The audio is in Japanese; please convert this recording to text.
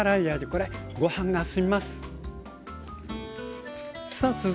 これごはんが進みます。